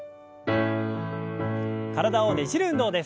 体をねじる運動です。